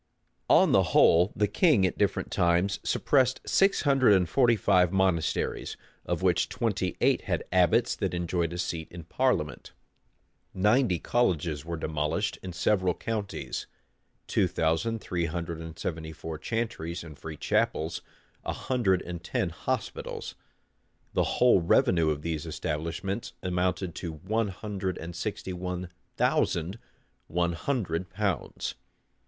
On the whole, the king at different times suppressed six hundred and forty five monasteries; of which twenty eight had abbots that enjoyed a seat in parliament. Ninety colleges were demolished in several counties; two thousand three hundred and seventy four chantries and free chapels; a hundred and ten hospitals. The whole revenue of these establishments amounted to one hundred and sixty one thousand one hundred pounds.